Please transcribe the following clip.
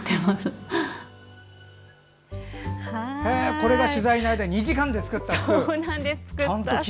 これが取材の間２時間で作った服！